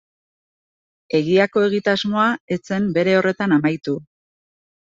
Egiako egitasmoa ez zen bere horretan amaitu.